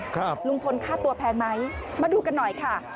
ลุงพลค่าตัวแพงไหมมาดูกันหน่อยค่ะ